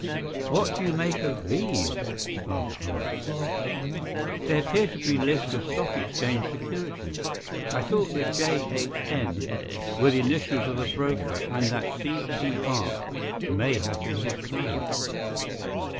"What do you make of these?" asked Holmes. "They appear to be lists of Stock Exchange securities. I thought that 'J.H.N.' were the initials of a broker, and that 'C.P.R.' may have been his client."